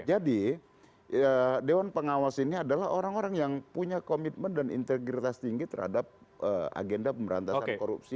jadi dewan pengawas ini adalah orang orang yang punya komitmen dan integritas tinggi terhadap agenda pemberantasan korupsi